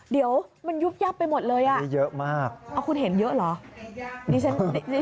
เดี๋ยวมันยุบยับไปหมดเลยอ่ะคุณเห็นเยอะหรือมองเยอะมาก